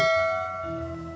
makasih ya bang